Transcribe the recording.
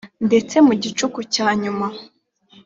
ndetse mu gicuku cya nyuma